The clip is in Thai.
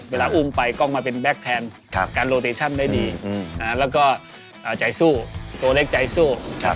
อุ้มไปกล้องมาเป็นแก๊กแทนการโลเตชั่นได้ดีแล้วก็ใจสู้ตัวเล็กใจสู้